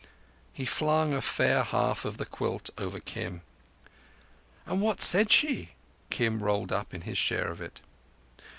He flung a fair half of the quilt over Kim. "And what said she?" Kim rolled up in his share of it.